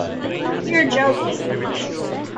You're joking!.